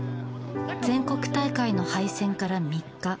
全国大会の敗戦から３日。